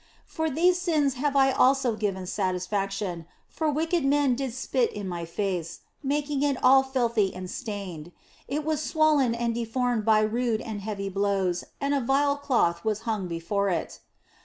For these sins have I also given satisfaction, for wicked men did spit in My Face, making it all filthy and stained ; it was swollen and deformed by rude and heavy blows and a vile cloth was hung before it.